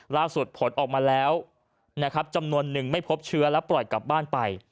ล่าสุดผลออกมาแล้วจำนวน๑ไม่พบเชื้อและปล่อยกลับบ้านไป